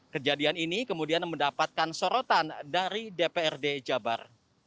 kejadian ini kemudian mendapatkan sorotan dari dprd jabar